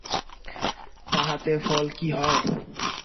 তাহাতে ফল কী হয়।